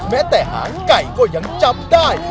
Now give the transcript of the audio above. แม้แต่หางไก่ก็ยังจำได้